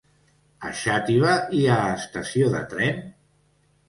A Xàtiva hi ha estació de tren?